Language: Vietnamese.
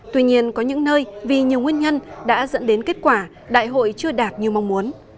tuy nhiên có những nơi vì nhiều nguyên nhân đã dẫn đến kết quả đại hội chưa đạt như mong muốn